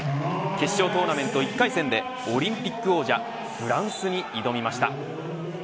決勝トーナメント１回戦線でオリンピック王者フランスに挑みました。